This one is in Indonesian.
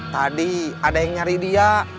tadi ada yang nyari dia